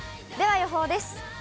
では予報です。